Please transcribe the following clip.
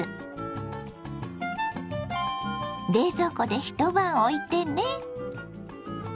冷蔵庫で一晩おいてね。